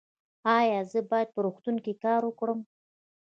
ایا زه باید په روغتون کې کار وکړم؟